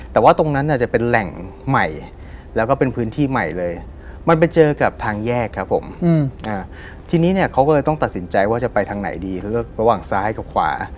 แต่ว่าตรงนั้นเนี่ยจะเป็นแหล่งใหม่แล้วก็เป็นพื้นที่ใหม่เลยมันไปเจอกับทางแยกครับผมทีนี้เนี่ยเขาก็เลยต้องตัดสินใจว่าจะไปทางไหนดีเขาเลือกระหว่างซ้ายกับขวา